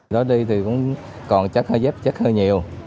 đó đi thì còn chắc hơi dếp chắc hơi nhiều